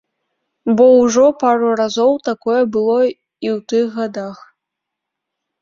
Бо ўжо пару разоў такое было і ў тых гадах.